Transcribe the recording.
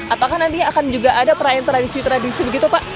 apakah nantinya akan juga ada perayaan tradisi tradisi begitu pak